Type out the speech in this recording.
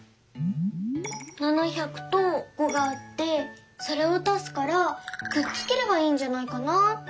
「７００」と「５」があってそれを足すからくっつければいいんじゃないかなって。